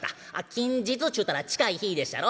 近日ちゅうたら近い日でっしゃろ。